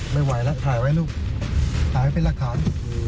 ไม่ไหวแล้วถ่ายไว้ลูกถ่ายไว้เป็นหลักฐาน